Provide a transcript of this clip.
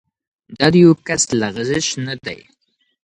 دا د یوه کس لغزش نه دی.